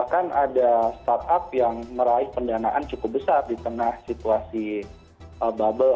dan ada startup yang meraih pendanaan cukup besar di tengah situasi bubble